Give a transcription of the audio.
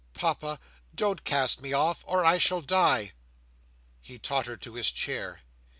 Papa, don't cast me off, or I shall die!" He tottered to his chair.